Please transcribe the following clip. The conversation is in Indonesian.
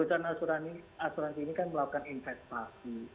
perusahaan asuransi ini kan melakukan investasi